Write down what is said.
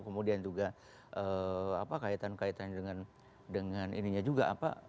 kemudian juga kaitan kaitannya dengan ininya juga